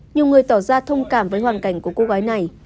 nhiều người tỏ ra thông cảm với hoàn cảnh của cô gái này